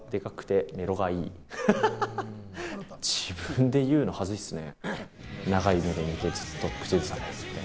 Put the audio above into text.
自分で言うのは恥ずいっすね。